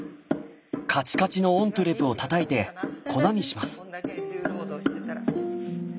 カチカチのオントゥレをたたいて粉にします。